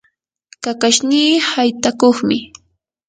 kakashnii haytakuqmi.